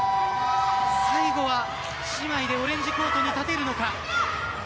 最後は姉妹でオレンジコートに立てるのか。